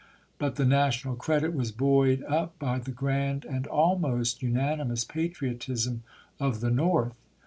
But the national credit was buoyed up by the grand and almost unanimous patriotism of the North.